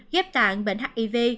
ghép tạng bệnh hiv